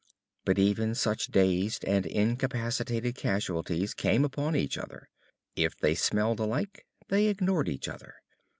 But even such dazed and incapacitated casualties came upon each other. If they smelled alike, they ignored each other.